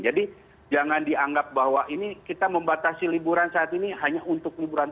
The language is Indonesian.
jadi jangan dianggap bahwa ini kita membatasi liburan saat ini hanya untuk liburan